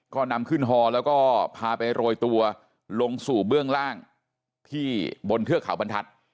ก็นำขึ้นฮอแล้วก็พาไปโรยตัวลงสู่เบื้องล่างที่บนเทือกเขาบรรทัศน์